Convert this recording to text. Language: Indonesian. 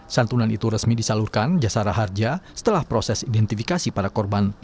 santunan itu resmi disalurkan jasara harja setelah proses identifikasi para korban